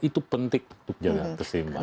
itu penting untuk jaga keseimbangan